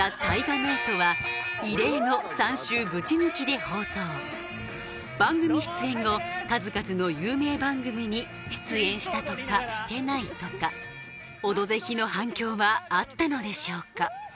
ナイトは異例の３週ぶち抜きで放送番組出演後数々の有名番組に出演したとかしてないとか「オドぜひ」の反響はあったのでしょうか？